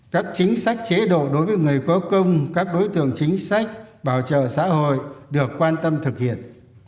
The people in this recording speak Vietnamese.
các chính sách chế độ đối với người có công các đối tượng chính sách bảo trợ xã hội được quan tâm thực hiện